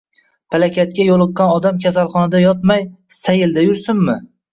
Palakatga yo‘liqqan odam kasalxonada yotmay, saylda yursinmi?